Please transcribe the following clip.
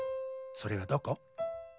それはどこ？